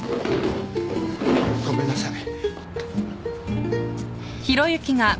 ごめんなさい。